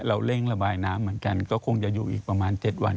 เร่งระบายน้ำเหมือนกันก็คงจะอยู่อีกประมาณ๗วัน